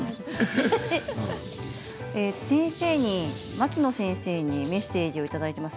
牧野先生にメッセージをいただいています。